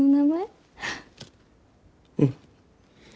うん。